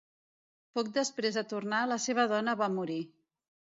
Poc després de tornar, la seva dona va morir.